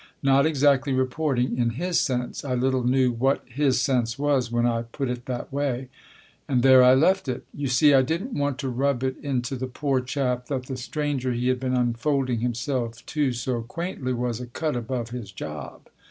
Not exactly reporting, in his sense (I little knew what his sense was when I put it that way) ; and there I left it. You see, I didn't want to rub it into the poor chap that the stranger he had been unfolding himself to so quaintly was a cut above his job.